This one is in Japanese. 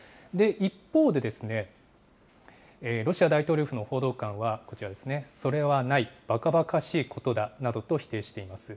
一方で、ロシア大統領府の報道官は、こちらですね、それはない、ばかばかしいことだなどと否定しています。